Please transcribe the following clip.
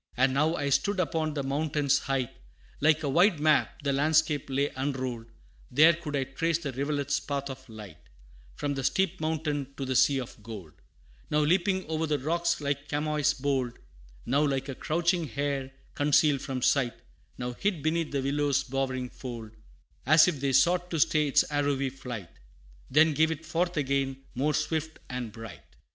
And now I stood upon the mountain's height Like a wide map, the landscape lay unrolled There could I trace that rivulet's path of light, From the steep mountain to the sea of gold; Now leaping o'er the rocks like chamois bold, Now like a crouching hare concealed from sight, Now hid beneath the willow's bowering fold, As if they sought to stay its arrowy flight, Then give it forth again more swift and bright.